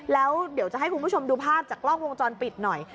แล้วเดี๋ยวจะให้คุณผู้ชมดูภาพจากกล้องวงจรปิดหน่อย